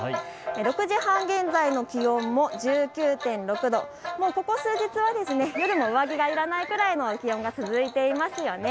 ６時半現在の気温も１９．６度、ここ数日は夜も上着がいらないくらいの気温が続いていますよね。